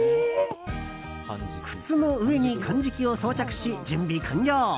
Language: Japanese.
靴の上にかんじきを装着し準備完了。